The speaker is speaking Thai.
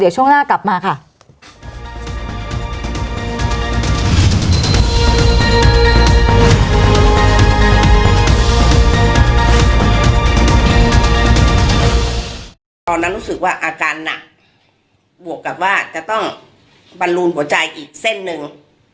ตอนนั้นรู้สึกว่าอาการหนักบวกกับว่าจะต้องบรรลูนหัวใจอีกเส้นหนึ่ง